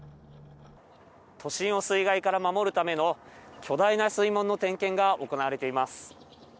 都心を水害から守るための巨大な水門の点検が行われています。